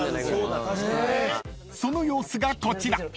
［その様子がこちら］